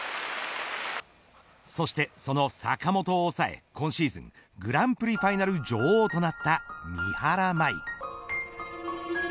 そして、その坂本を抑え今シーズングランプリファイナル女王となった三原舞依。